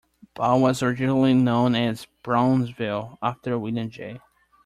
Bow was originally known as Brownsville, after William J.